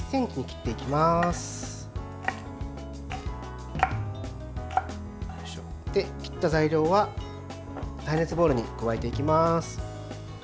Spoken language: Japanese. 切った材料は耐熱ボウルに加えていきます。